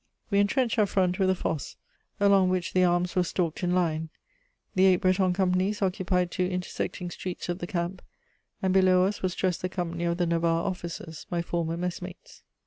We entrenched our front with a fosse, along which the arms were stalked in line. The eight Breton companies occupied two intersecting streets of the camp, and below us was dressed the company of the Navarre officers, my former messmates.